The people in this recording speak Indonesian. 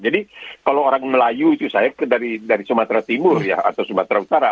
jadi kalau orang melayu itu saya dari sumatera timur ya atau sumatera utara